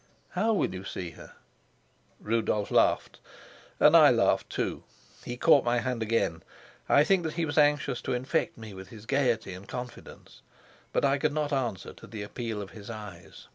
"How will you see her?" Rudolf laughed, and I laughed too. He caught my hand again. I think that he was anxious to infect me with his gayety and confidence. But I could not answer to the appeal of his eyes.